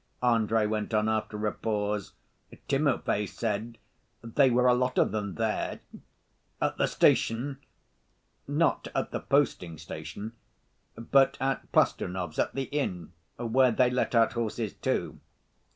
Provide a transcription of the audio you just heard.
Andrey went on after a pause. "Timofey said they were a lot of them there—" "At the station?" "Not at the posting‐station, but at Plastunov's, at the inn, where they let out horses, too."